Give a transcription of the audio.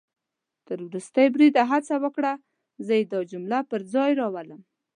تر ورستي بریده هڅه وکړه، زه يې دا جمله پر ځای راوړم